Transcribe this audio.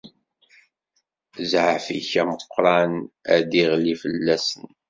Zzɛaf-ik ameqqqran ad d-iɣli fell-asen.